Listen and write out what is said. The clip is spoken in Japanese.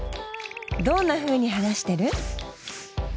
どんなふうに話してる？